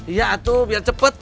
iya atu biar cepet